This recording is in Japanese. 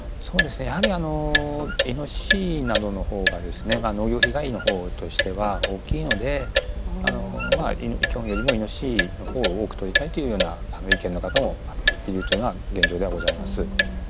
やはりイノシシなどの方が農業被害の方としては大きいのでキョンよりもイノシシの方を多くとりたいというような意見の方もいるというのが現状ではございます。